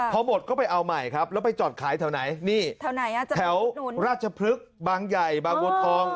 พอหมดก็ไปเอาใหม่ครับแล้วไปจอดขายแถวไหนแถวราชพลึกบางใหญ่บางบททอง